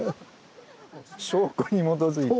証拠に基づいて。